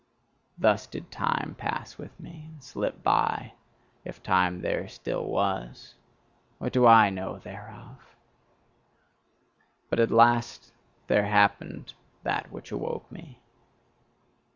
Thus did time pass with me, and slip by, if time there still was: what do I know thereof! But at last there happened that which awoke me.